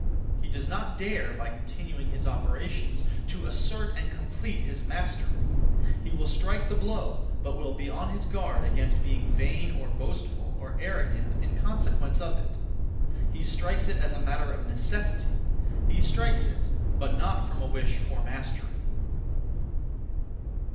He does not dare (by continuing his operations) to assert and complete his mastery. He will strike the blow, but will be on his guard against being vain or boastful or arrogant in consequence of it. He strikes it as a matter of necessity; he strikes it, but not from a wish for mastery.